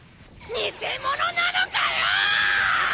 偽者なのかよ！